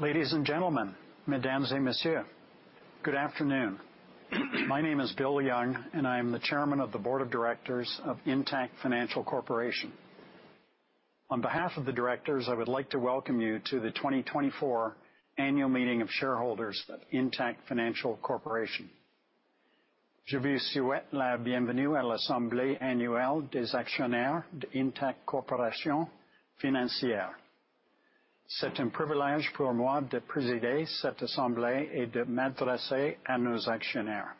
Ladies and gentlemen, madames et messieurs, good afternoon. My name is Bill Young, and I am the Chairman of the Board of Directors of Intact Financial Corporation. On behalf of the directors, I would like to welcome you to the 2024 Annual Meeting of Shareholders of Intact Financial Corporation. Je vous souhaite la bienvenue à l'assemblée annuelle des actionnaires d'Intact Corporation Financière. C'est un privilège pour moi de présider cette assemblée et de m'adresser à nos actionnaires.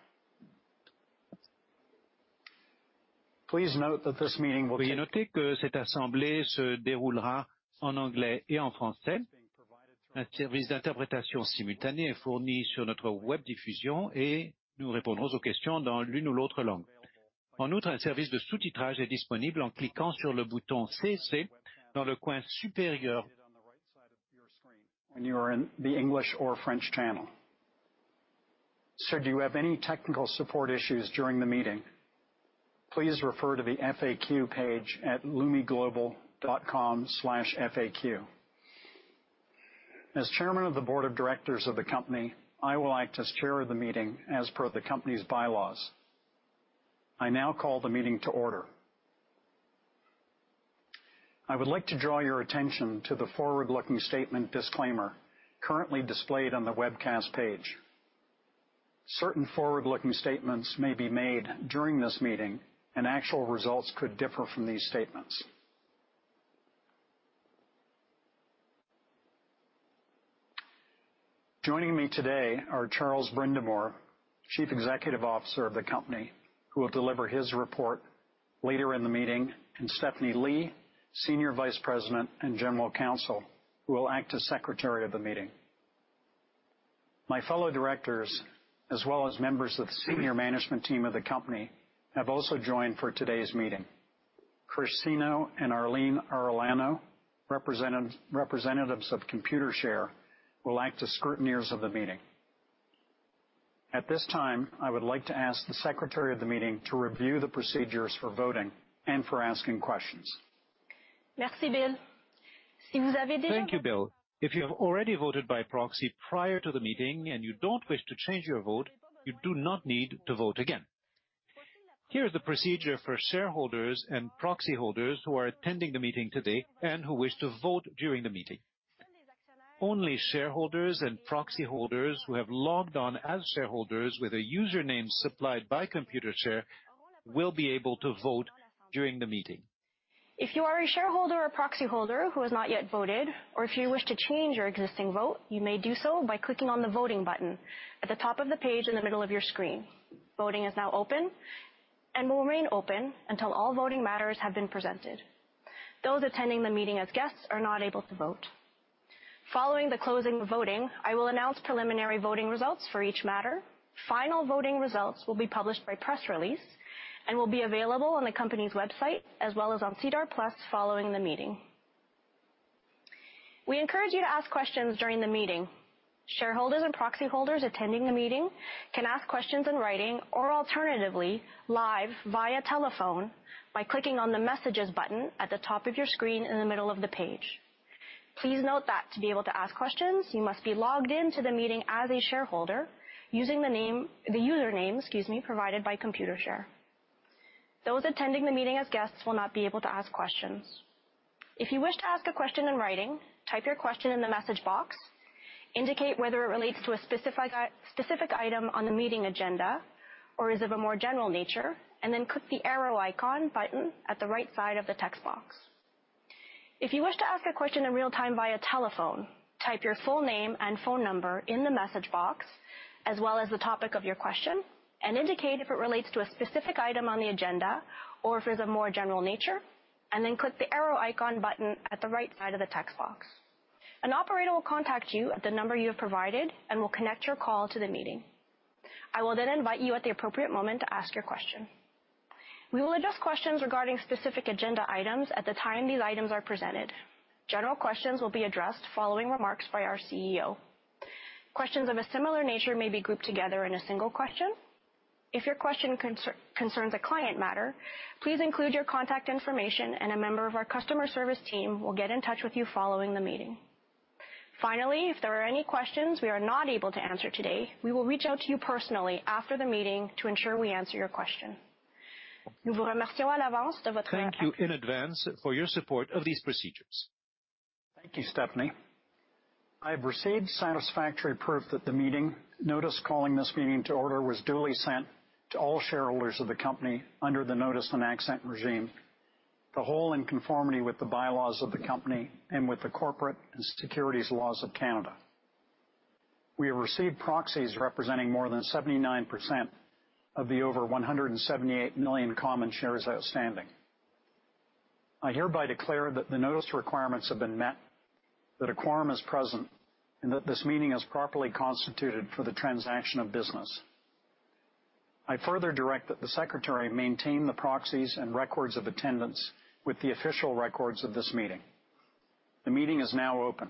Please note that this meeting Veuillez noter que cette assemblée se déroulera en anglais et en français. Un service d'interprétation simultanée est fourni sur notre web diffusion, et nous répondrons aux questions dans l'une ou l'autre langue. En outre, un service de sous-titrage est disponible en cliquant sur le bouton CC dans le coin supérieur when you are in the English or French channel. Should you have any technical support issues during the meeting, please refer to the FAQ page at lumiglobal.com/faq. As Chairman of the Board of Directors of the company, I will act as chair of the meeting as per the company's bylaws. I now call the meeting to order. I would like to draw your attention to the forward-looking statement disclaimer currently displayed on the webcast page. Certain forward-looking statements may be made during this meeting, and actual results could differ from these statements. Joining me today are Charles Brindamour, Chief Executive Officer of the company, who will deliver his report later in the meeting, and Stephanie Lee, Senior Vice President and General Counsel, who will act as secretary of the meeting. My fellow directors, as well as members of the senior management team of the company, have also joined for today's meeting. Krish Seno and Arlene Arellano, representatives of Computershare, will act as scrutineers of the meeting. At this time, I would like to ask the secretary of the meeting to review the procedures for voting and for asking questions. Merci, Bill. Thank you, Bill. If you have already voted by proxy prior to the meeting and you don't wish to change your vote, you do not need to vote again. Here is the procedure for shareholders and proxy holders who are attending the meeting today and who wish to vote during the meeting. Only shareholders and proxy holders who have logged on as shareholders with a username supplied by Computershare will be able to vote during the meeting. If you are a shareholder or proxy holder who has not yet voted, or if you wish to change your existing vote, you may do so by clicking on the voting button at the top of the page in the middle of your screen. Voting is now open and will remain open until all voting matters have been presented. Those attending the meeting as guests are not able to vote. Following the closing of voting, I will announce preliminary voting results for each matter. Final voting results will be published by press release and will be available on the company's website as well as on SEDAR+ following the meeting. We encourage you to ask questions during the meeting. Shareholders and proxy holders attending the meeting can ask questions in writing or alternatively live via telephone by clicking on the Messages button at the top of your screen in the middle of the page. Please note that to be able to ask questions, you must be logged in to the meeting as a shareholder using the username, excuse me, provided by Computershare. Those attending the meeting as guests will not be able to ask questions. If you wish to ask a question in writing, type your question in the message box, indicate whether it relates to a specific item on the meeting agenda or is of a more general nature, and then click the arrow icon button at the right side of the text box. If you wish to ask a question in real time via telephone, type your full name and phone number in the message box, as well as the topic of your question, and indicate if it relates to a specific item on the agenda or if it's of more general nature, and then click the arrow icon button at the right side of the text box. An operator will contact you at the number you have provided and will connect your call to the meeting. I will then invite you at the appropriate moment to ask your question. We will address questions regarding specific agenda items at the time these items are presented. General questions will be addressed following remarks by our CEO. Questions of a similar nature may be grouped together in a single question. If your question concerns a client matter, please include your contact information, and a member of our customer service team will get in touch with you following the meeting. Finally, if there are any questions we are not able to answer today, we will reach out to you personally after the meeting to ensure we answer your question. Thank you in advance for your support of these procedures. Thank you, Stephanie. I have received satisfactory proof that the meeting notice calling this meeting to order was duly sent to all shareholders of the company under the Notice and Access regime, the whole in conformity with the bylaws of the company and with the corporate and securities laws of Canada. We have received proxies representing more than 79% of the over 178 million common shares outstanding. I hereby declare that the notice requirements have been met, that a quorum is present, and that this meeting is properly constituted for the transaction of business. I further direct that the secretary maintain the proxies and records of attendance with the official records of this meeting. The meeting is now open.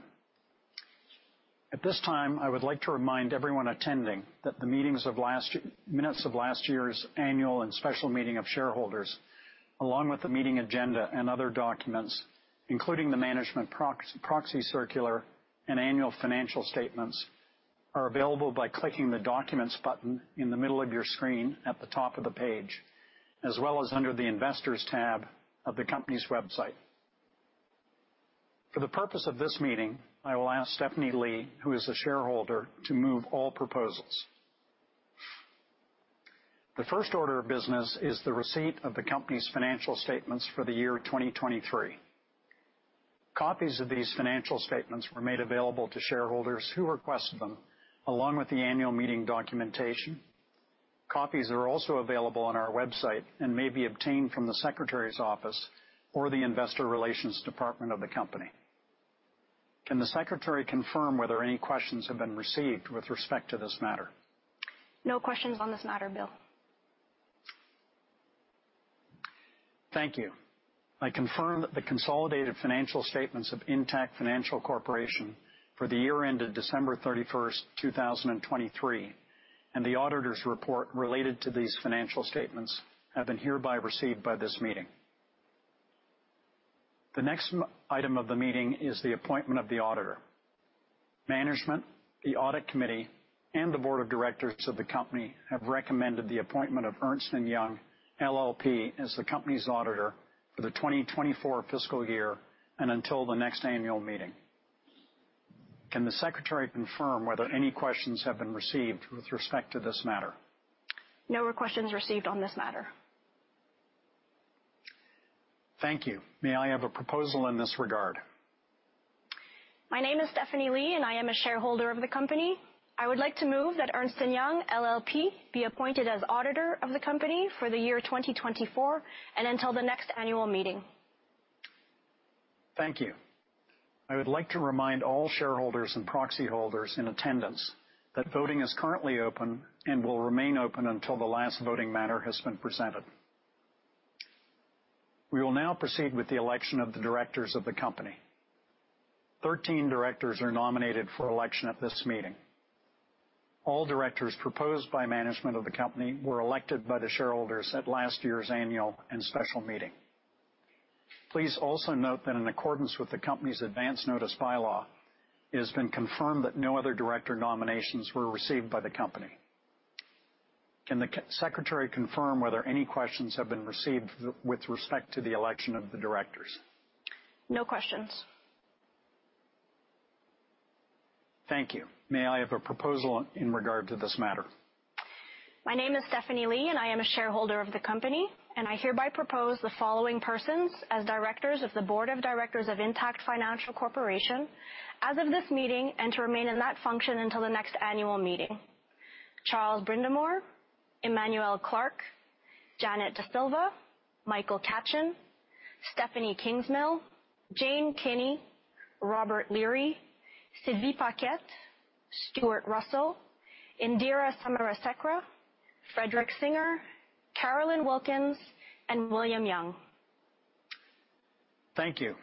At this time, I would like to remind everyone attending that the minutes of last year's annual and special meeting of shareholders, along with the meeting agenda and other documents, including the management proxy circular, and annual financial statements, are available by clicking the Documents button in the middle of your screen at the top of the page, as well as under the Investors tab of the company's website. For the purpose of this meeting, I will ask Stephanie Lee, who is a shareholder, to move all proposals. The first order of business is the receipt of the company's financial statements for the year 2023. Copies of these financial statements were made available to shareholders who requested them, along with the annual meeting documentation. Copies are also available on our website and may be obtained from the secretary's office or the investor relations department of the company. Can the secretary confirm whether any questions have been received with respect to this matter? No questions on this matter, Bill. Thank you. I confirm that the consolidated financial statements of Intact Financial Corporation for the year ended December 31st, 2023, and the auditor's report related to these financial statements have been hereby received by this meeting. The next item of the meeting is the appointment of the auditor. Management, the audit committee, and the board of directors of the company have recommended the appointment of Ernst & Young LLP, as the company's auditor for the 2024 fiscal year and until the next annual meeting. Can the secretary confirm whether any questions have been received with respect to this matter? No questions received on this matter. Thank you. May I have a proposal in this regard? My name is Stephanie Lee, and I am a shareholder of the company. I would like to move that Ernst & Young LLP be appointed as auditor of the company for the year 2024 and until the next annual meeting. Thank you. I would like to remind all shareholders and proxy holders in attendance that voting is currently open and will remain open until the last voting matter has been presented. We will now proceed with the election of the directors of the company. 13 directors are nominated for election at this meeting. All directors proposed by management of the company were elected by the shareholders at last year's annual and special meeting. Please also note that in accordance with the company's Advance Notice By-Law, it has been confirmed that no other director nominations were received by the company. Can the secretary confirm whether any questions have been received with respect to the election of the directors? No questions. Thank you. May I have a proposal in regard to this matter? My name is Stephanie Lee, and I am a shareholder of the company, and I hereby propose the following persons as directors of the Board of Directors of Intact Financial Corporation as of this meeting, and to remain in that function until the next annual meeting: Charles Brindamour, Emmanuel Clarke, Janet De Silva, Michael Katchen, Stephani Kingsmill, Jane Kinney, Robert Leary, Sylvie Paquette, Stuart Russell, Indira Samarasekera, Frederick Singer, Carolyn Wilkins, and William Young. Thank you.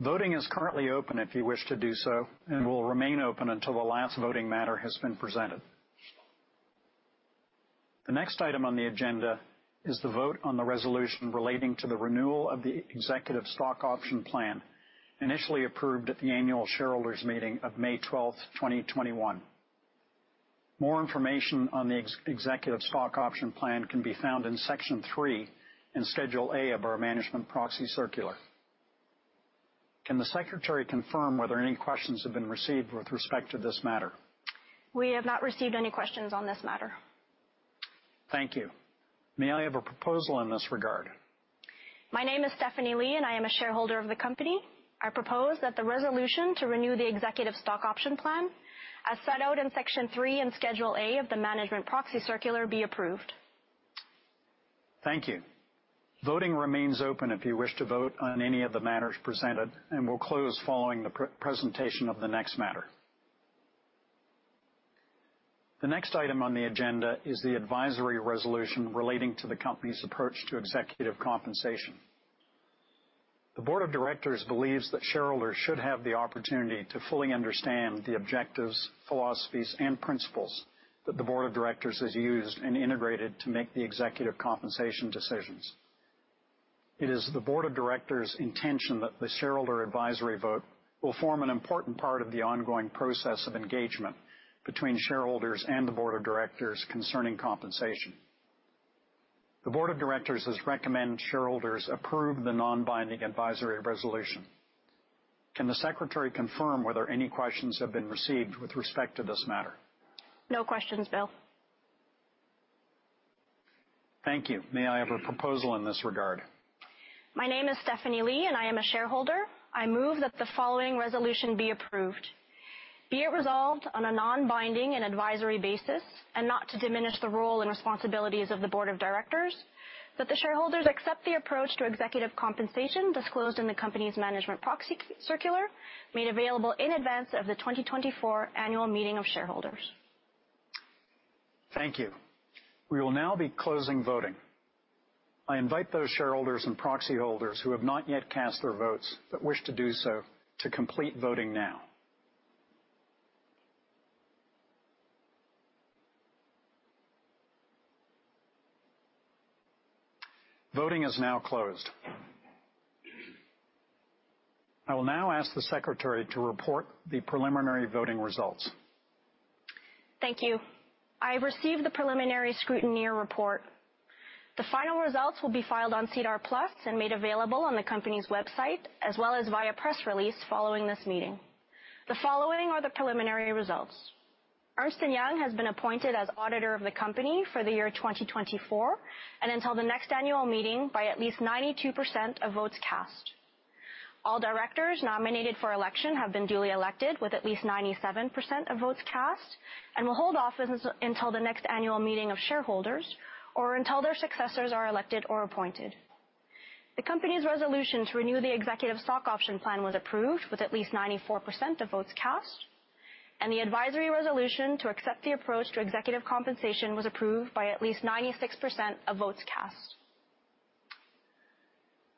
Voting is currently open if you wish to do so and will remain open until the last voting matter has been presented. The next item on the agenda is the vote on the resolution relating to the renewal of the executive stock option plan, initially approved at the annual shareholders' meeting of May 12th, 2021. More information on the executive stock option plan can be found in Section 3 in Schedule A of our management proxy circular. Can the secretary confirm whether any questions have been received with respect to this matter? We have not received any questions on this matter. Thank you. May I have a proposal in this regard? My name is Stephanie Lee, and I am a shareholder of the company. I propose that the resolution to renew the executive stock option plan, as set out in Section 3 in Schedule A of the management proxy circular, be approved. Thank you. Voting remains open if you wish to vote on any of the matters presented and will close following the presentation of the next matter. The next item on the agenda is the advisory resolution relating to the company's approach to executive compensation. The board of directors believes that shareholders should have the opportunity to fully understand the objectives, philosophies, and principles that the board of directors has used and integrated to make the executive compensation decisions. It is the board of directors' intention that the shareholder advisory vote will form an important part of the ongoing process of engagement between shareholders and the board of directors concerning compensation. The board of directors has recommended shareholders approve the non-binding advisory resolution. Can the secretary confirm whether any questions have been received with respect to this matter? No questions, Bill. Thank you. May I have a proposal in this regard? My name is Stephanie Lee, and I am a shareholder. I move that the following resolution be approved. Be it resolved on a non-binding and advisory basis, and not to diminish the role and responsibilities of the board of directors, that the shareholders accept the approach to executive compensation disclosed in the company's management proxy circular, made available in advance of the 2024 annual meeting of shareholders. Thank you. We will now be closing voting. I invite those shareholders and proxy holders who have not yet cast their votes but wish to do so to complete voting now. Voting is now closed. I will now ask the secretary to report the preliminary voting results. Thank you. I received the preliminary scrutineer report. The final results will be filed on SEDAR+ and made available on the company's website, as well as via press release following this meeting. The following are the preliminary results. Ernst & Young has been appointed as auditor of the company for the year 2024 and until the next annual meeting by at least 92% of votes cast. All directors nominated for election have been duly elected with at least 97% of votes cast and will hold office until the next annual meeting of shareholders or until their successors are elected or appointed. The company's resolution to renew the executive stock option plan was approved with at least 94% of votes cast, and the advisory resolution to accept the approach to executive compensation was approved by at least 96% of votes cast.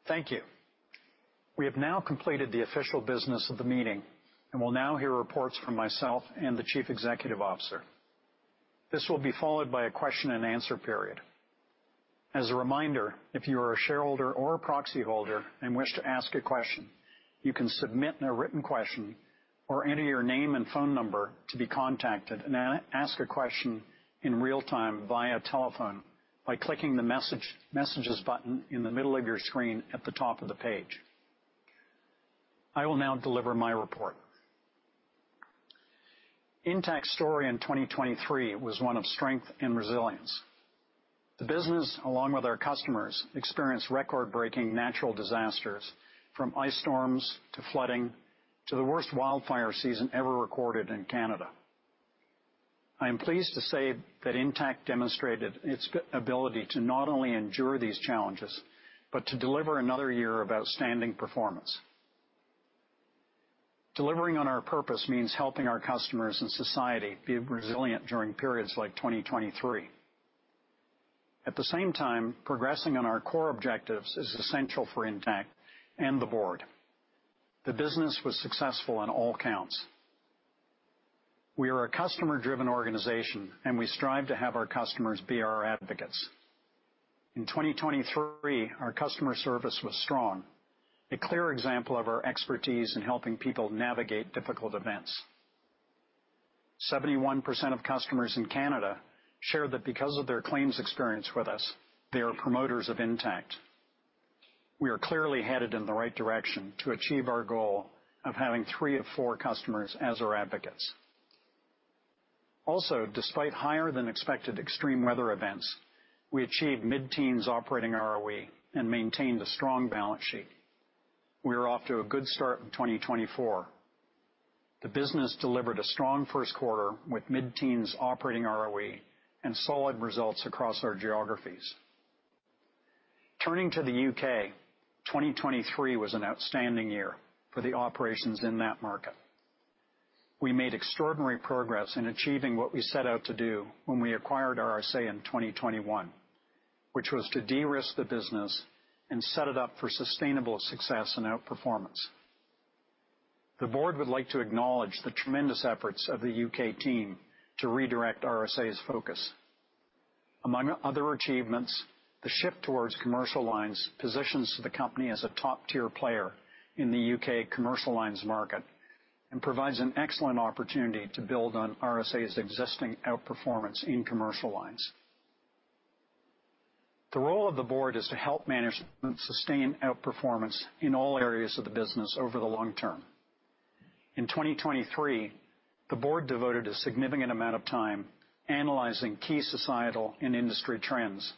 Thank you. We have now completed the official business of the meeting and will now hear reports from myself and the Chief Executive Officer. This will be followed by a question-and-answer period. As a reminder, if you are a shareholder or a proxy holder and wish to ask a question, you can submit a written question or enter your name and phone number to be contacted and ask a question in real time via telephone by clicking the Messages button in the middle of your screen at the top of the page. I will now deliver my report. Intact's story in 2023 was one of strength and resilience. The business, along with our customers, experienced record-breaking natural disasters, from ice storms to flooding to the worst wildfire season ever recorded in Canada. I am pleased to say that Intact demonstrated its ability to not only endure these challenges, but to deliver another year of outstanding performance. Delivering on our purpose means helping our customers and society be resilient during periods like 2023. At the same time, progressing on our core objectives is essential for Intact and the board. The business was successful on all counts. We are a customer-driven organization, and we strive to have our customers be our advocates. In 2023, our customer service was strong, a clear example of our expertise in helping people navigate difficult events. 71% of customers in Canada share that because of their claims experience with us, they are promoters of Intact. We are clearly headed in the right direction to achieve our goal of having three of four customers as our advocates. Despite higher-than-expected extreme weather events, we achieved mid-teens operating ROE and maintained a strong balance sheet. We are off to a good start in 2024. The business delivered a strong first quarter, with mid-teens operating ROE and solid results across our geographies. Turning to the U.K., 2023 was an outstanding year for the operations in that market. We made extraordinary progress in achieving what we set out to do when we acquired RSA in 2021, which was to de-risk the business and set it up for sustainable success and outperformance. The board would like to acknowledge the tremendous efforts of the U.K. team to redirect RSA's focus. Among other achievements, the shift towards commercial lines positions the company as a top-tier player in the U.K. commercial lines market and provides an excellent opportunity to build on RSA's existing outperformance in commercial lines. The role of the board is to help management sustain outperformance in all areas of the business over the long term. In 2023, the board devoted a significant amount of time analyzing key societal and industry trends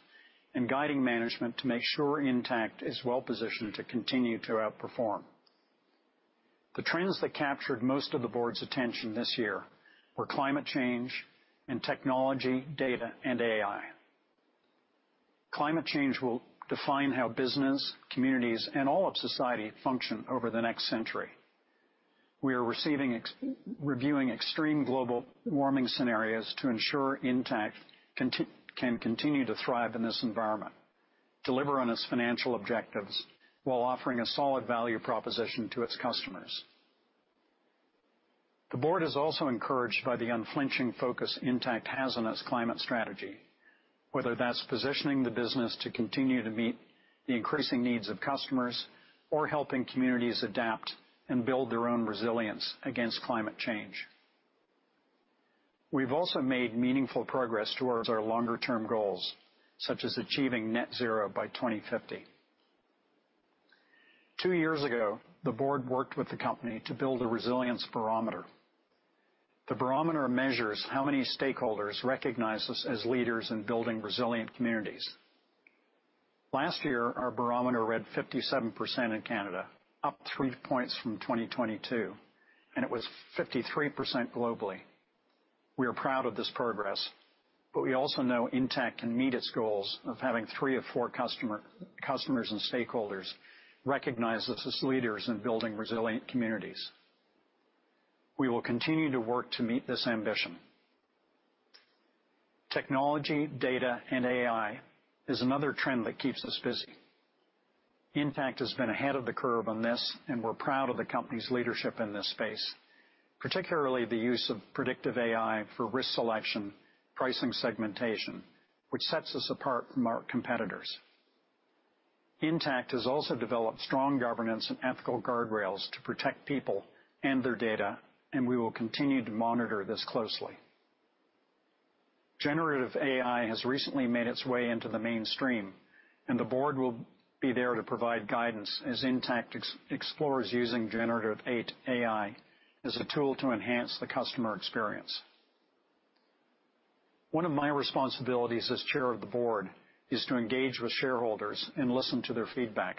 and guiding management to make sure Intact is well positioned to continue to outperform. The trends that captured most of the board's attention this year were climate change and technology, data, and AI. Climate change will define how business, communities, and all of society function over the next century. We are reviewing extreme global warming scenarios to ensure Intact can continue to thrive in this environment, deliver on its financial objectives, while offering a solid value proposition to its customers. The board is also encouraged by the unflinching focus Intact has on its climate strategy, whether that's positioning the business to continue to meet the increasing needs of customers or helping communities adapt and build their own resilience against climate change. We've also made meaningful progress towards our longer-term goals, such as achieving net zero by 2050. Two years ago, the board worked with the company to build a Resilience Barometer. The Barometer measures how many stakeholders recognize us as leaders in building resilient communities. Last year, our Barometer read 57% in Canada, up 3 points from 2022, and it was 53% globally. We are proud of this progress, but we also know Intact can meet its goals of having three of four customers and stakeholders recognize us as leaders in building resilient communities. We will continue to work to meet this ambition. Technology, data, and AI is another trend that keeps us busy. Intact has been ahead of the curve on this, and we're proud of the company's leadership in this space, particularly the use of predictive AI for risk selection, pricing segmentation, which sets us apart from our competitors. Intact has also developed strong governance and ethical guardrails to protect people and their data, and we will continue to monitor this closely. Generative AI has recently made its way into the mainstream, and the board will be there to provide guidance as Intact explores using generative AI as a tool to enhance the customer experience. One of my responsibilities as chair of the board is to engage with shareholders and listen to their feedback.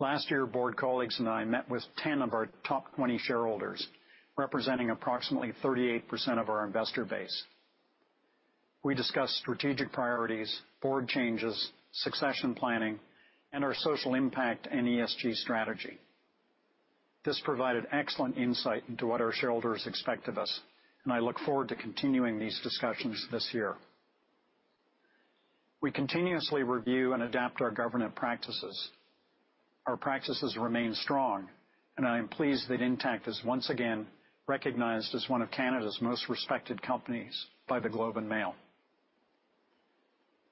Last year, board colleagues and I met with 10 of our top 20 shareholders, representing approximately 38% of our investor base. We discussed strategic priorities, board changes, succession planning, and our social impact and ESG strategy. This provided excellent insight into what our shareholders expect of us. I look forward to continuing these discussions this year. We continuously review and adapt our governance practices. Our practices remain strong. I am pleased that Intact is once again recognized as one of Canada's most respected companies by The Globe and Mail.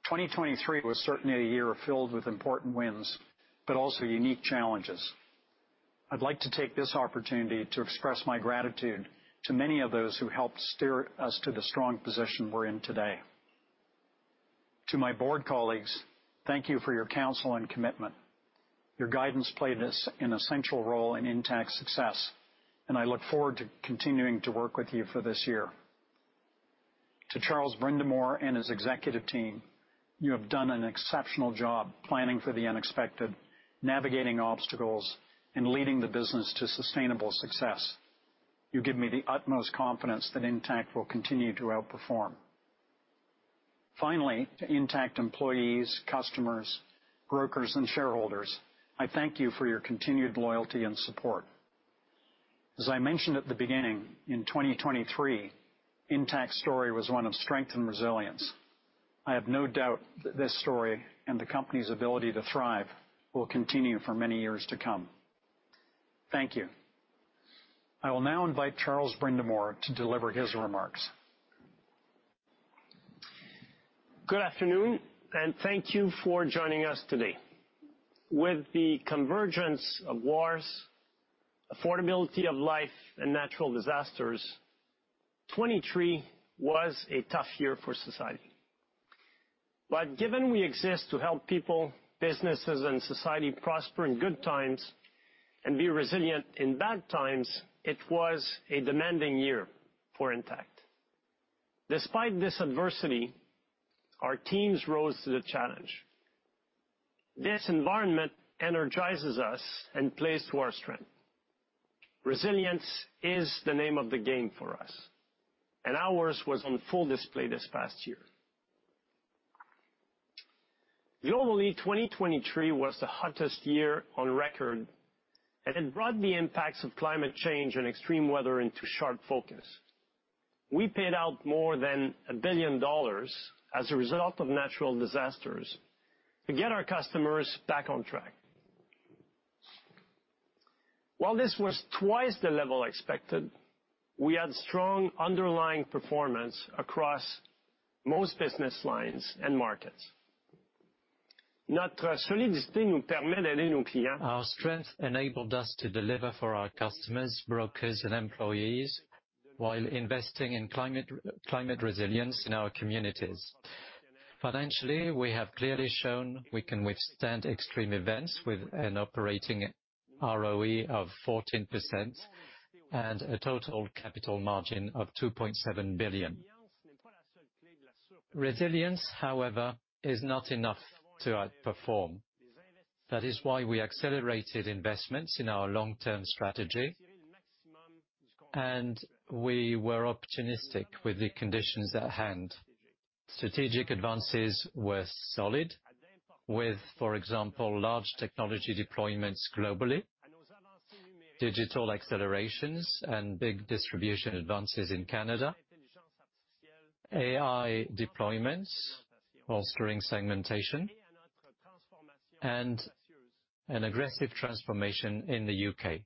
2023 was certainly a year filled with important wins, also unique challenges. I'd like to take this opportunity to express my gratitude to many of those who helped steer us to the strong position we're in today. To my board colleagues, thank you for your counsel and commitment. Your guidance played this an essential role in Intact's success. I look forward to continuing to work with you for this year. To Charles Brindamour and his executive team, you have done an exceptional job planning for the unexpected, navigating obstacles, and leading the business to sustainable success. You give me the utmost confidence that Intact will continue to outperform. To Intact employees, customers, brokers, and shareholders, I thank you for your continued loyalty and support. As I mentioned at the beginning, in 2023, Intact's story was one of strength and resilience. I have no doubt that this story and the company's ability to thrive will continue for many years to come. Thank you. I will now invite Charles Brindamour to deliver his remarks. Good afternoon, and thank you for joining us today. With the convergence of wars, affordability of life, and natural disasters, 2023 was a tough year for society. Given we exist to help people, businesses, and society prosper in good times and be resilient in bad times, it was a demanding year for Intact. Despite this adversity, our teams rose to the challenge. This environment energizes us and plays to our strength. Resilience is the name of the game for us, and ours was on full display this past year. Globally, 2023 was the hottest year on record, and it brought the impacts of climate change and extreme weather into sharp focus. We paid out more than 1 billion dollars as a result of natural disasters to get our customers back on track. While this was twice the level expected, we had strong underlying performance across most business lines and markets. Our strength enabled us to deliver for our customers, brokers, and employees while investing in climate resilience in our communities. Financially, we have clearly shown we can withstand extreme events with an operating ROE of 14% and a total capital margin of 2.7 billion. Resilience, however, is not enough to outperform. That is why we accelerated investments in our long-term strategy, and we were opportunistic with the conditions at hand. Strategic advances were solid with, for example, large technology deployments globally, digital accelerations and big distribution advances in Canada, AI deployments, bolstering segmentation, and an aggressive transformation in the U.K..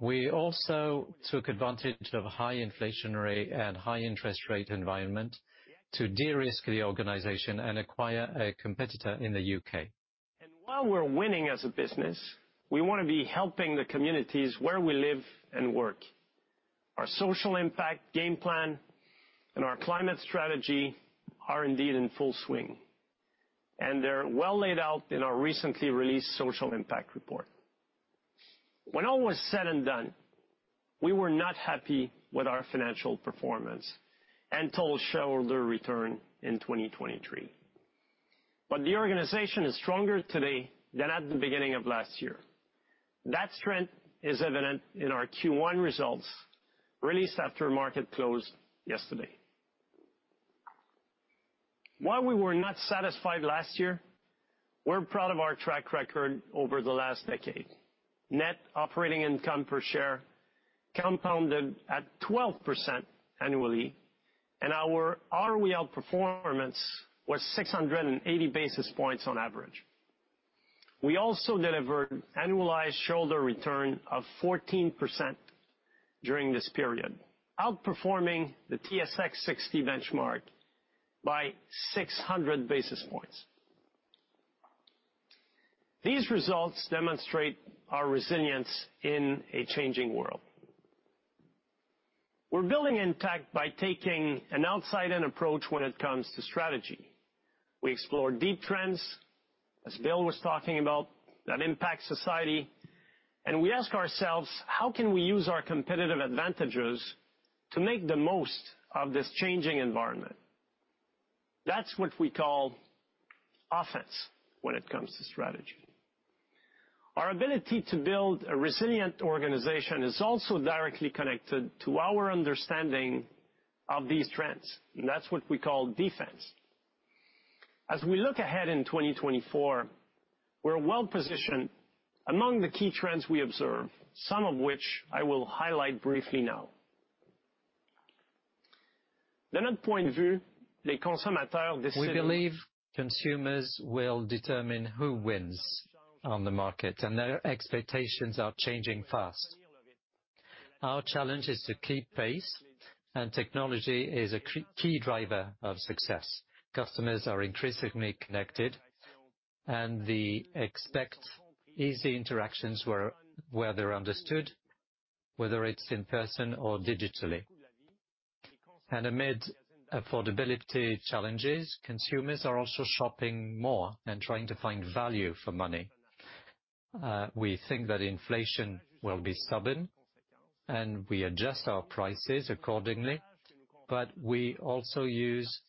We also took advantage of high inflationary and high interest rate environment to de-risk the organization and acquire a competitor in the U.K.. While we're winning as a business, we want to be helping the communities where we live and work. Our social impact game plan and our climate strategy are indeed in full swing, and they're well laid out in our recently released Social Impact Report. When all was said and done, we were not happy with our financial performance and total shareholder return in 2023, but the organization is stronger today than at the beginning of last year. That strength is evident in our Q1 results, released after market close yesterday. While we were not satisfied last year, we're proud of our track record over the last decade. Net operating income per share... compounded at 12% annually, and our ROE outperformance was 680 basis points on average. We also delivered annualized shareholder return of 14% during this period, outperforming the TSX 60 benchmark by 600 basis points. These results demonstrate our resilience in a changing world. We're building Intact by taking an outside-in approach when it comes to strategy. We explore deep trends, as Bill was talking about, that impact society. We ask ourselves, "How can we use our competitive advantages to make the most of this changing environment?" That's what we call offense when it comes to strategy. Our ability to build a resilient organization is also directly connected to our understanding of these trends. That's what we call defense. As we look ahead in 2024, we're well-positioned among the key trends we observe, some of which I will highlight briefly now. We believe consumers will determine who wins on the market. Their expectations are changing fast. Our challenge is to keep pace, and technology is a key driver of success. Customers are increasingly connected, and they expect easy interactions where they're understood, whether it's in person or digitally. Amid affordability challenges, consumers are also shopping more and trying to find value for money. We think that inflation will be stubborn, and we adjust our prices accordingly, but we also use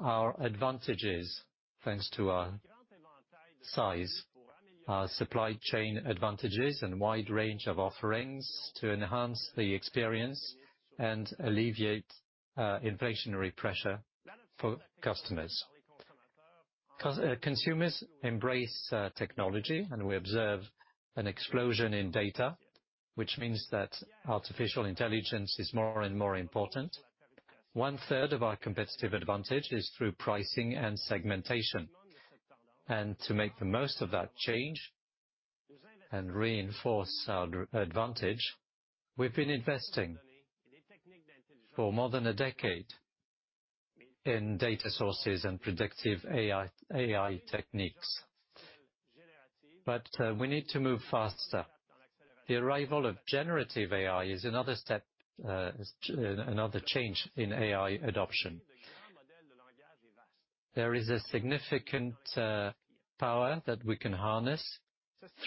our advantages, thanks to our size, our supply chain advantages, and wide range of offerings to enhance the experience and alleviate inflationary pressure for customers. Consumers embrace technology, and we observe an explosion in data, which means that artificial intelligence is more and more important. One-third of our competitive advantage is through pricing and segmentation. To make the most of that change and reinforce our advantage, we've been investing for more than a decade in data sources and predictive AI techniques. We need to move faster. The arrival of generative AI is another step, is another change in AI adoption. There is a significant power that we can harness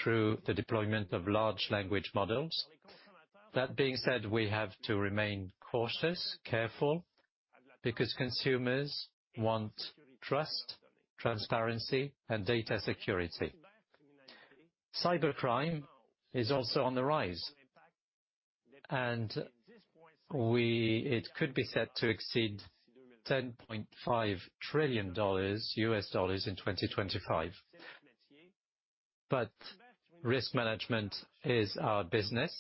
through the deployment of large language models. That being said, we have to remain cautious, careful, because consumers want trust, transparency, and data security. Cybercrime is also on the rise, and it could be set to exceed $10.5 trillion in 2025. Risk management is our business,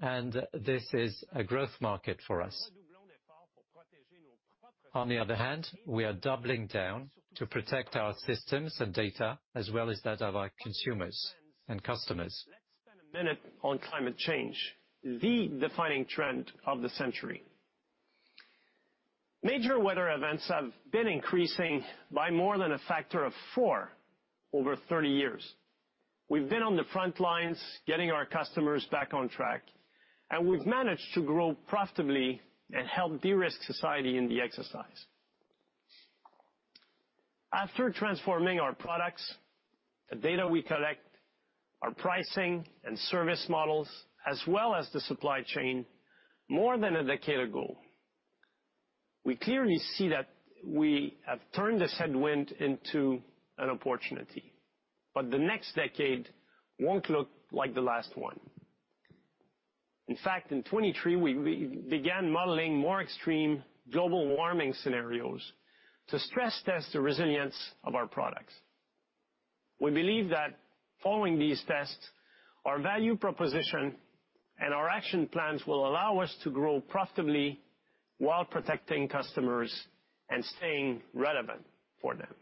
and this is a growth market for us. On the other hand, we are doubling down to protect our systems and data, as well as that of our consumers and customers. Let's spend a minute on climate change, the defining trend of the century. Major weather events have been increasing by more than a factor of four over 30 years. We've been on the front lines, getting our customers back on track. We've managed to grow profitably and help de-risk society in the exercise. After transforming our products, the data we collect, our pricing and service models, as well as the supply chain, more than a decade ago, we clearly see that we have turned this headwind into an opportunity. The next decade won't look like the last one. In fact, in 2023, we began modeling more extreme global warming scenarios to stress test the resilience of our products. We believe that following these tests, our value proposition and our action plans will allow us to grow profitably while protecting customers and staying relevant for them.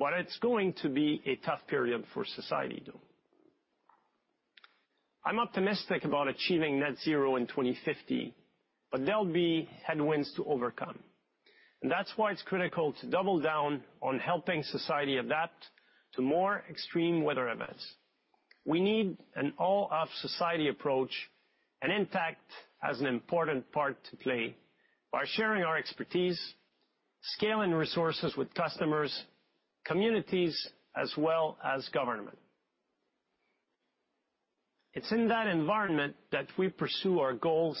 It's going to be a tough period for society, though. I'm optimistic about achieving net zero in 2050, there'll be headwinds to overcome, that's why it's critical to double down on helping society adapt to more extreme weather events. We need an all-of-society approach, Intact has an important part to play by sharing our expertise, scaling resources with customers, communities, as well as government. It's in that environment that we pursue our goals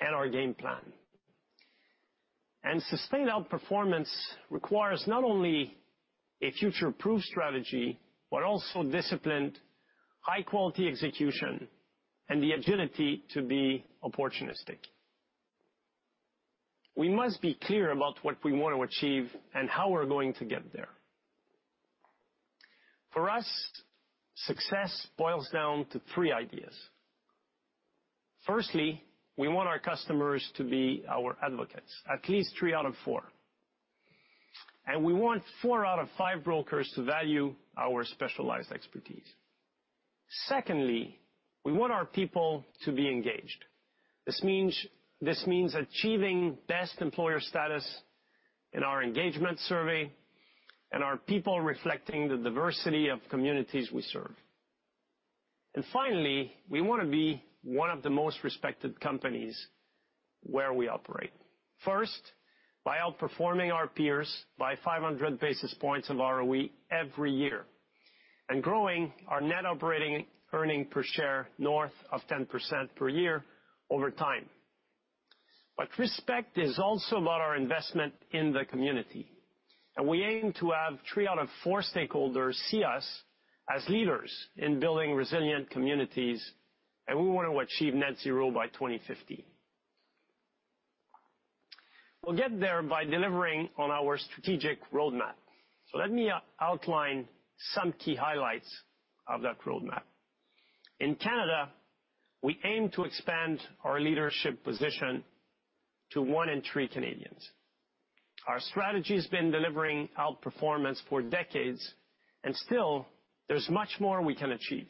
and our game plan. Sustained outperformance requires not only a future-proof strategy, also disciplined, high-quality execution and the agility to be opportunistic. We must be clear about what we want to achieve and how we're going to get there. For us, success boils down to three ideas. Firstly, we want our customers to be our advocates, at least three out of four. We want four out of five brokers to value our specialized expertise. Secondly, we want our people to be engaged. This means achieving Best Employer status in our engagement survey and our people reflecting the diversity of communities we serve. Finally, we want to be one of the most respected companies where we operate. First, by outperforming our peers by 500 basis points of ROE every year, and growing our net operating income per share north of 10% per year over time. Respect is also about our investment in the community, and we aim to have three out of four stakeholders see us as leaders in building resilient communities, and we want to achieve net zero by 2050. We'll get there by delivering on our strategic roadmap. Let me outline some key highlights of that roadmap. In Canada, we aim to expand our leadership position to one in three Canadians. Our strategy has been delivering outperformance for decades. Still, there's much more we can achieve.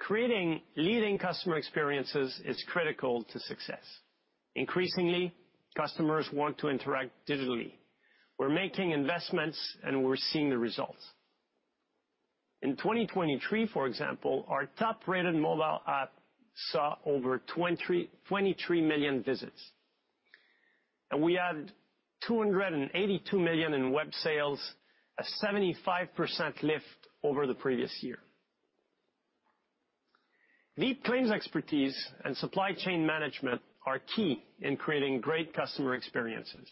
Creating leading customer experiences is critical to success. Increasingly, customers want to interact digitally. We're making investments. We're seeing the results. In 2023, for example, our top-rated mobile app saw over 23 million visits. We had 282 million in web sales, a 75% lift over the previous year. Lead claims expertise and supply chain management are key in creating great customer experiences.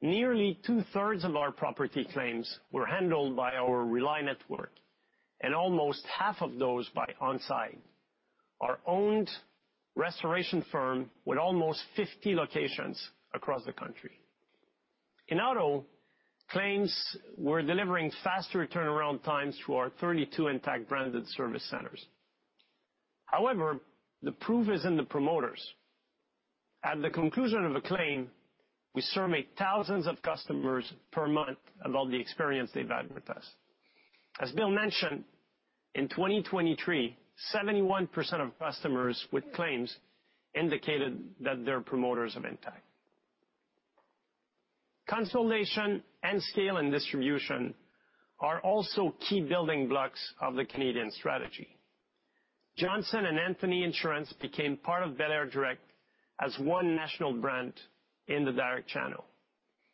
Nearly two-thirds of our property claims were handled by our Rely Network. Almost half of those by Onsite, our owned restoration firm, with almost 50 locations across the country. In auto, claims we're delivering faster turnaround times to our 32 Intact-branded service centers. The proof is in the promoters. At the conclusion of a claim, we survey thousands of customers per month about the experience they've had with us. As Bill mentioned, in 2023, 71% of customers with claims indicated that they're promoters of Intact. Consolidation and scale and distribution are also key building blocks of the Canadian strategy. Johnson and Anthony Insurance became part of belairdirect as one national brand in the direct channel.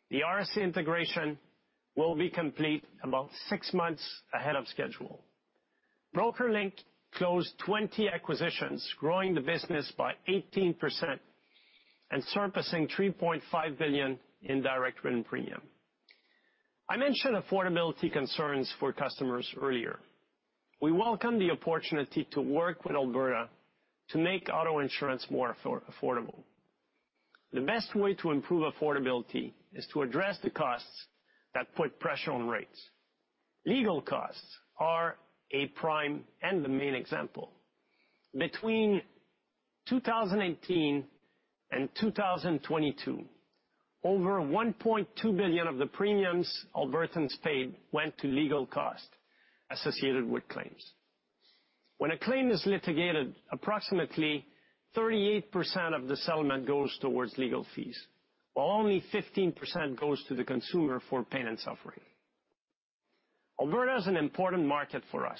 The RSA integration will be complete about six months ahead of schedule. BrokerLink closed 20 acquisitions, growing the business by 18% and surpassing 3.5 billion in direct written premium. I mentioned affordability concerns for customers earlier. We welcome the opportunity to work with Alberta to make auto insurance more affordable. The best way to improve affordability is to address the costs that put pressure on rates. Legal costs are a prime and the main example. Between 2018 and 2022, over $1.2 billion of the premiums Albertans paid went to legal costs associated with claims. When a claim is litigated, approximately 38% of the settlement goes towards legal fees, while only 15% goes to the consumer for pain and suffering. Alberta is an important market for us.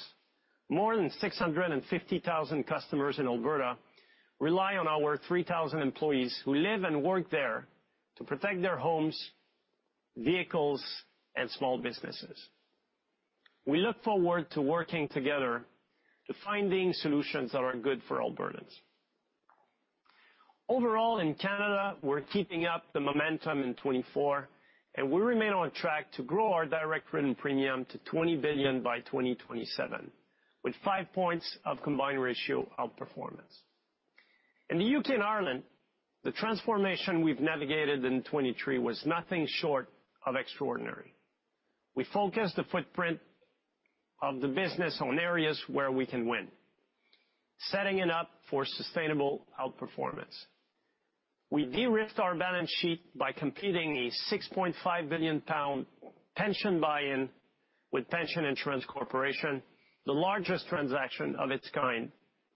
More than 650,000 customers in Alberta rely on our 3,000 employees, who live and work there, to protect their homes, vehicles, and small businesses. We look forward to working together to finding solutions that are good for Albertans. Overall, in Canada, we're keeping up the momentum in 2024, and we remain on track to grow our direct written premium to $20 billion by 2027, with 5 points of combined ratio outperformance. In the U.K. and Ireland, the transformation we've navigated in 2023 was nothing short of extraordinary. We focused the footprint of the business on areas where we can win, setting it up for sustainable outperformance. We de-risked our balance sheet by completing a 6.5 billion pound pension buy-in with Pension Insurance Corporation, the largest transaction of its kind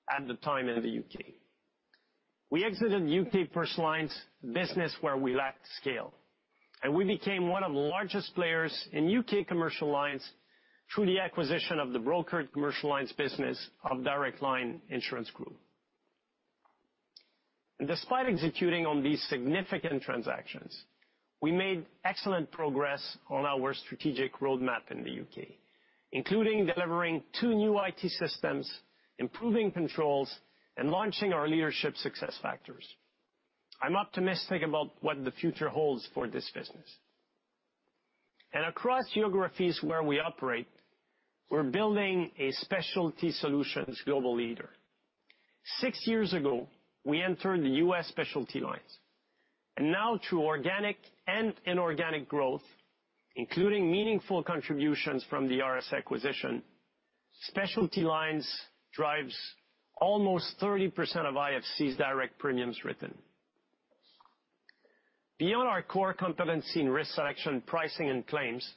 at the time in the U.K. We exited the U.K. personal lines business where we lacked scale. We became one of the largest players in U.K. commercial lines through the acquisition of the brokered commercial lines business of Direct Line Insurance Group. Despite executing on these significant transactions, we made excellent progress on our strategic roadmap in the U.K., including delivering two new IT systems, improving controls, and launching our Leadership Success Factors. I'm optimistic about what the future holds for this business. Across geographies where we operate, we're building a specialty solutions global leader. Six years ago, we entered the U.S. specialty lines, now through organic and inorganic growth, including meaningful contributions from the RSA acquisition, specialty lines drives almost 30% of IFC's direct premiums written. Beyond our core competency in risk selection, pricing, and claims,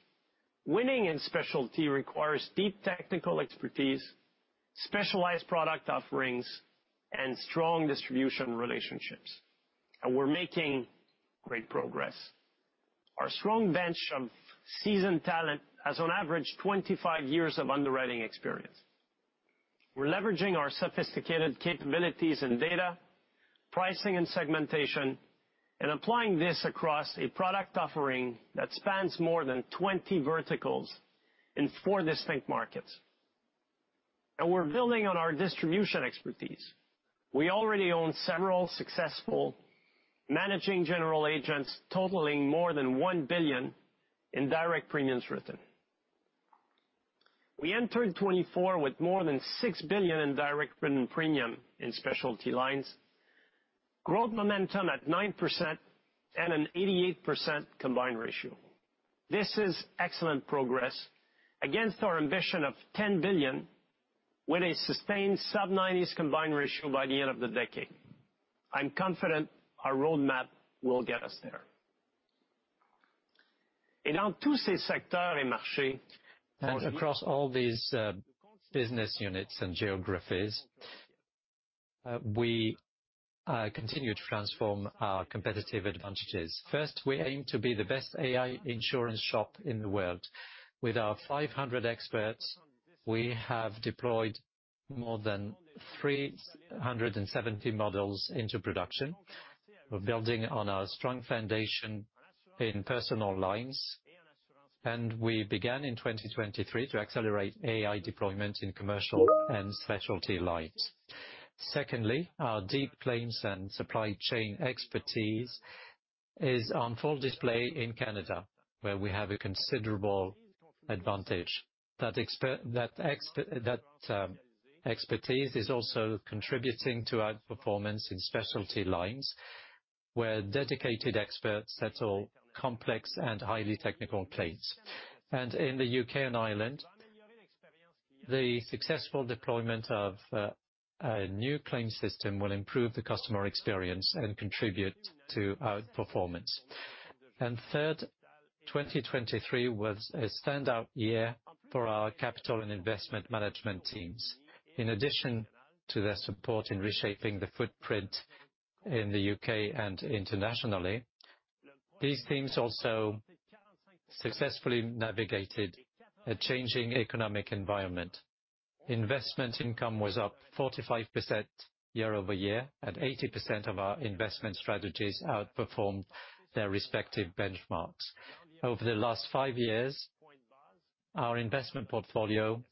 winning in specialty requires deep technical expertise, specialized product offerings, and strong distribution relationships, and we're making great progress. Our strong bench of seasoned talent has on average, 25 years of underwriting experience. We're leveraging our sophisticated capabilities in data, pricing and segmentation, and applying this across a product offering that spans more than 20 verticals in four distinct markets. We're building on our distribution expertise. We already own several successful managing general agents, totaling more than 1 billion in direct premiums written. We entered 2024 with more than 6 billion in direct written premium in specialty lines, growth momentum at 9% and an 88% combined ratio. This is excellent progress against our ambition of 10 billion with a sustained sub-90 combined ratio by the end of the decade. I'm confident our roadmap will get us there. Across all these business units and geographies, we continue to transform our competitive advantages. First, we aim to be the best AI insurance shop in the world. With our 500 experts, we have deployed more than 370 models into production. We're building on our strong foundation in personal lines, and we began in 2023 to accelerate AI deployment in commercial and specialty lines. Secondly, our deep claims and supply chain expertise is on full display in Canada, where we have a considerable advantage. That expertise is also contributing to our performance in specialty lines, where dedicated experts settle complex and highly technical claims. In the U.K. and Ireland, the successful deployment of a new claim system will improve the customer experience and contribute to our performance. Third, 2023 was a standout year for our capital and investment management teams. In addition to their support in reshaping the footprint in the U.K. and internationally, these teams also successfully navigated a changing economic environment. Investment income was up 45% year-over-year, and 80% of our investment strategies outperformed their respective benchmarks. Over the last five years, our investment portfolio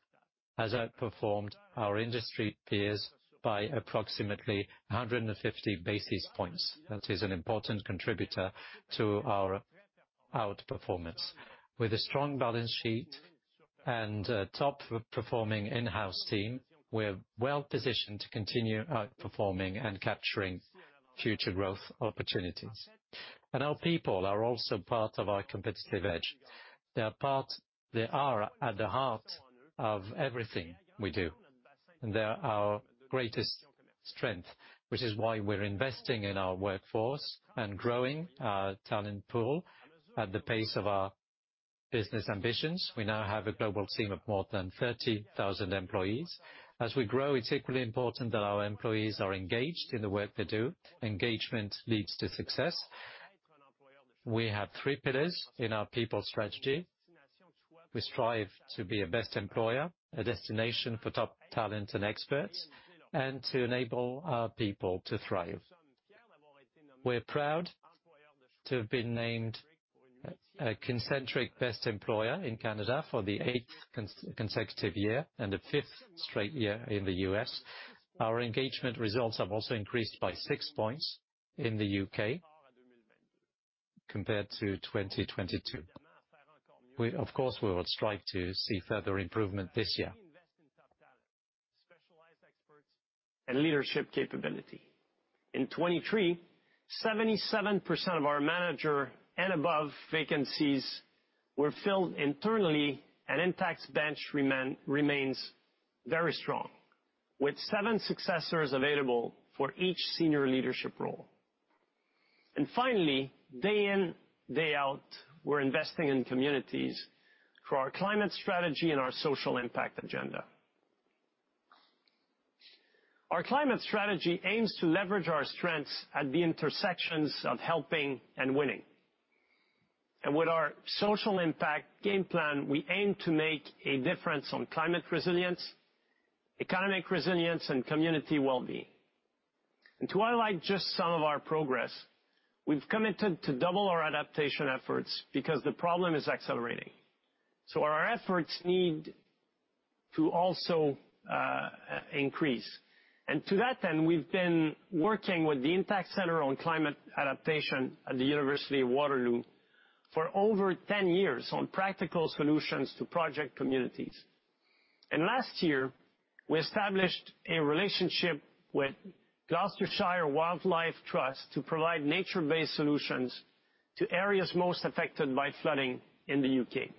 has outperformed our industry peers by approximately 150 basis points. That is an important contributor to our outperformance. With a strong balance sheet and a top-performing in-house team, we're well positioned to continue outperforming and capturing future growth opportunities. Our people are also part of our competitive edge. They are at the heart of everything we do, and they are our greatest strength, which is why we're investing in our workforce and growing our talent pool at the pace of our business ambitions. We now have a global team of more than 30,000 employees. As we grow, it's equally important that our employees are engaged in the work they do. Engagement leads to success. We have three pillars in our people strategy. We strive to be a best employer, a destination for top talent and experts, and to enable our people to thrive. We're proud to have been named a Kincentric Best Employer in Canada for the 8th consecutive year and the 5th straight year in the U.S.. Our engagement results have also increased by 6 points in the U.K. compared to 2022. We, of course, we will strive to see further improvement this year. Specialized experts and leadership capability. In 2023, 77% of our manager and above vacancies were filled internally, Intact's bench remains very strong, with seven successors available for each senior leadership role. Finally, day in, day out, we're investing in communities through our climate strategy and our social impact agenda. Our climate strategy aims to leverage our strengths at the intersections of helping and winning. With our social impact game plan, we aim to make a difference on climate resilience, economic resilience, and community well-being. To highlight just some of our progress, we've committed to double our adaptation efforts because the problem is accelerating, so our efforts need to also increase. To that end, we've been working with the Intact Centre on Climate Adaptation at the University of Waterloo for over 10 years on practical solutions to project communities. Last year, we established a relationship with Gloucestershire Wildlife Trust to provide nature-based solutions to areas most affected by flooding in the U.K.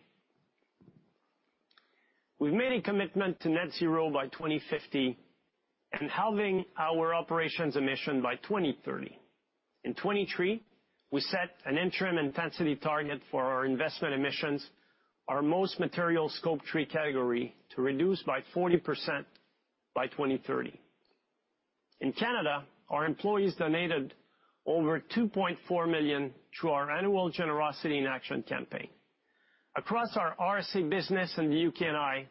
We've made a commitment to net zero by 2050 and halving our operations emission by 2030. In 2023, we set an interim intensity target for our investment emissions, our most material scope three category, to reduce by 40% by 2030. In Canada, our employees donated over $2.4 million through our annual Generosity in Action campaign. Across our RSA business in the U.K. and Ireland,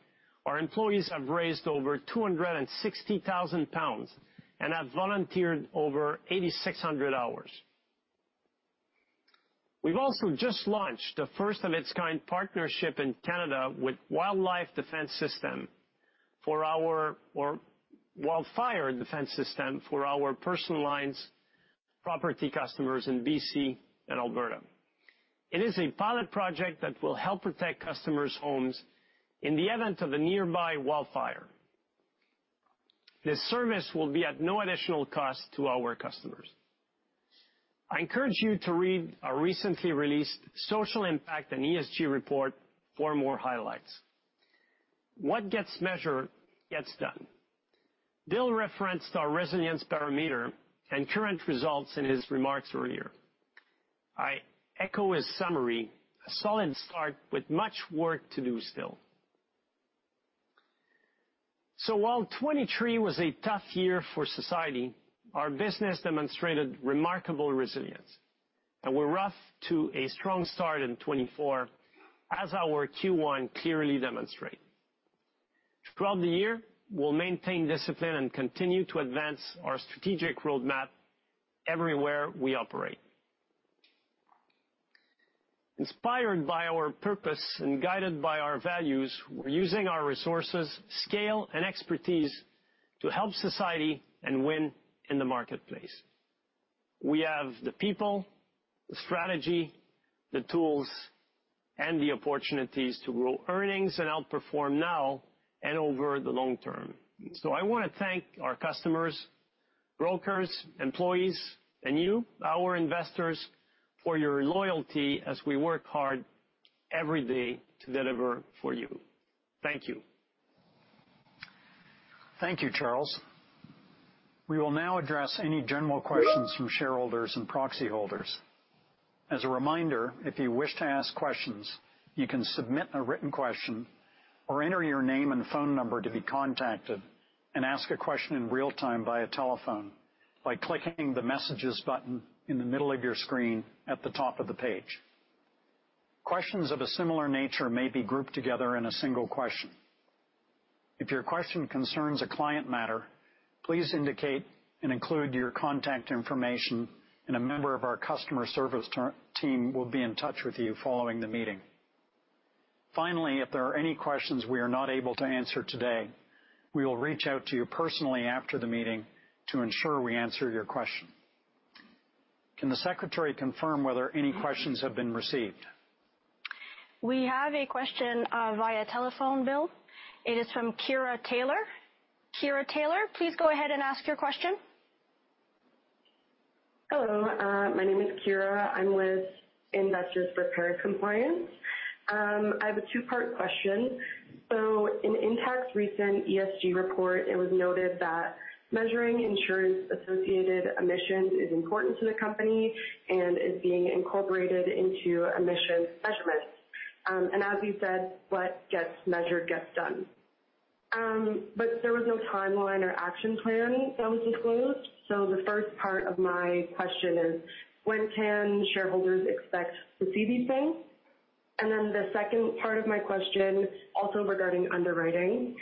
our employees have raised over 260,000 pounds and have volunteered over 8,600 hours. We've also just launched the first of its kind partnership in Canada with Wildfire Defense Systems for our Wildfire Defense Systems for our personal lines property customers in BC and Alberta. It is a pilot project that will help protect customers' homes in the event of a nearby wildfire. This service will be at no additional cost to our customers. I encourage you to read our recently released Social Impact and ESG Report for more highlights. What gets measured gets done. Bill referenced our Resilience Barometer and current results in his remarks earlier. I echo his summary, a solid start with much work to do still. While 2023 was a tough year for society, our business demonstrated remarkable resilience, and we're off to a strong start in 2024, as our Q1 clearly demonstrate. Throughout the year, we'll maintain discipline and continue to advance our strategic roadmap everywhere we operate. Inspired by our purpose and guided by our values, we're using our resources, scale, and expertise to help society and win in the marketplace. We have the people, the strategy, the tools, and the opportunities to grow earnings and outperform now and over the long term. I want to thank our customers, brokers, employees, and you, our investors, for your loyalty as we work hard every day to deliver for you. Thank you. Thank you, Charles. We will now address any general questions from shareholders and proxy holders. As a reminder, if you wish to ask questions, you can submit a written question or enter your name and phone number to be contacted and ask a question in real time via telephone by clicking the Messages button in the middle of your screen at the top of the page. Questions of a similar nature may be grouped together in a single question. If your question concerns a client matter, please indicate and include your contact information, and a member of our customer service team will be in touch with you following the meeting. If there are any questions we are not able to answer today, we will reach out to you personally after the meeting to ensure we answer your question. Can the secretary confirm whether any questions have been received? We have a question via telephone, Bill. It is from Kiera Taylor. Kiera Taylor, please go ahead and ask your question. Hello. My name is Kiera. I'm with Investors for Paris Compliance. I have a two-part question. In Intact's recent ESG report, it was noted that measuring insurance-associated emissions is important to the company and is being incorporated into emissions measurements. And as you said, "What gets measured, gets done." But there was no timeline or action plan that was enclosed. The first part of my question is: when can shareholders expect to see these things? The second part of my question, also regarding underwriting,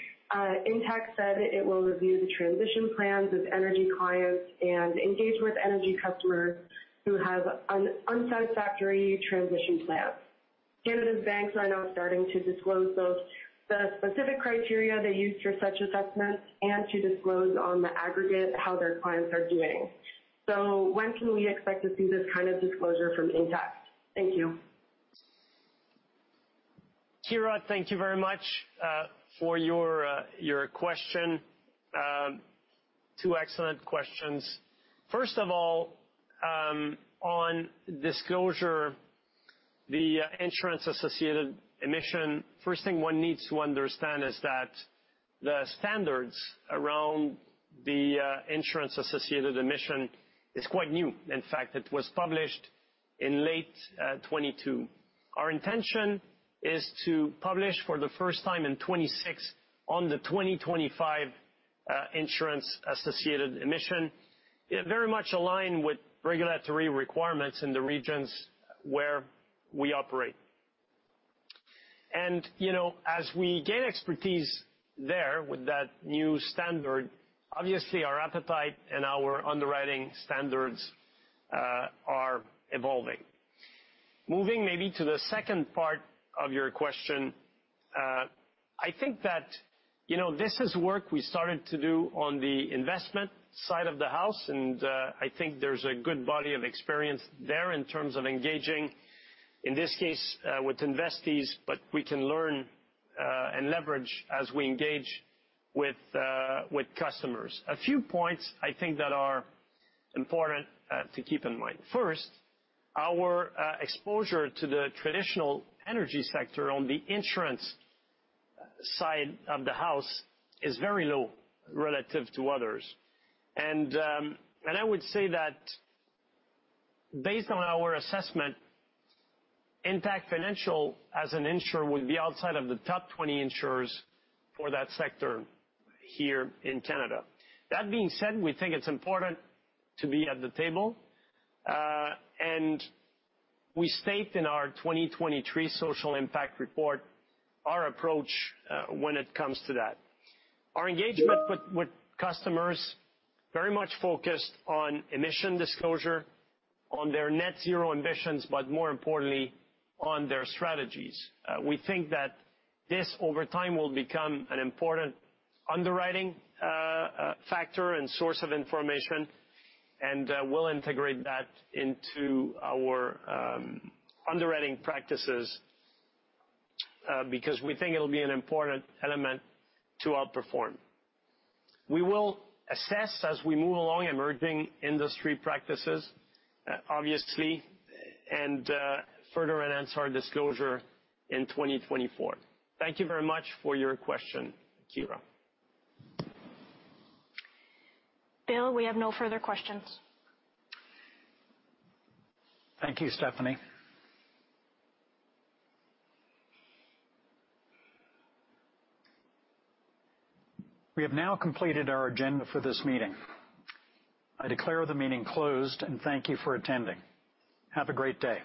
Intact said it will review the transition plans of energy clients and engage with energy customers who have an unsatisfactory transition plan. Canadian banks are now starting to disclose those, the specific criteria they use for such assessments and to disclose on the aggregate, how their clients are doing. When can we expect to see this kind of disclosure from Intact? Thank you. Kiera, thank you very much for your question. Two excellent questions. First of all, on disclosure, the insurance-associated emission, first thing one needs to understand is that the standards around the insurance-associated emission is quite new. In fact, it was published in late 2022. Our intention is to publish for the first time in 2026 on the 2025 insurance-associated emission. It very much align with regulatory requirements in the regions where we operate. You know, as we gain expertise there with that new standard, obviously, our appetite and our underwriting standards are evolving. Moving maybe to the second part of your question. I think that, you know, this is work we started to do on the investment side of the house, and I think there's a good body of experience there in terms of engaging, in this case, with investees, but we can learn and leverage as we engage with customers. A few points I think that are important to keep in mind. First, our exposure to the traditional energy sector on the insurance side of the house is very low relative to others. I would say that based on our assessment, Intact Financial, as an insurer, would be outside of the top 20 insurers for that sector here in Canada. That being said, we think it's important to be at the table, and we state in our 2023 Social Impact Report, our approach, when it comes to that. Our engagement with customers very much focused on emission disclosure, on their net zero ambitions, but more importantly, on their strategies. We think that this, over time, will become an important underwriting factor and source of information, and we'll integrate that into our underwriting practices, because we think it'll be an important element to outperform. We will assess as we move along emerging industry practices, obviously, and further enhance our disclosure in 2024. Thank you very much for your question, Kiera. Bill, we have no further questions. Thank you, Stephanie. We have now completed our agenda for this meeting. I declare the meeting closed, and thank you for attending. Have a great day!